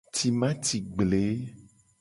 Timati gble.